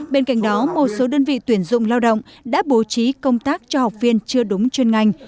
bên cạnh đó một số đơn vị tuyển dụng lao động đã bố trí công tác cho học viên chưa đúng chuyên ngành